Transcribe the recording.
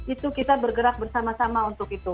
itu kita bergerak bersama sama untuk itu